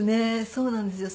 そうなんですよ。